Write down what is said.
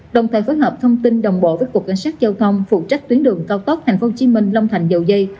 đồng thời phối hợp thông tin đồng bộ với cục cảnh sát giao thông phụ trách tuyến đường cao tốc tp hcm long thành dầu dây